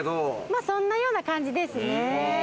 まっそんなような感じですね。